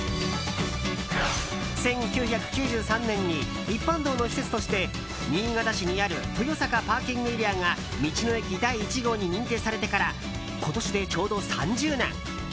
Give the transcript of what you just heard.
１９９３年に一般道の施設として新潟市にある豊栄ＰＡが道の駅第１号に認定されてから今年でちょうど３０年。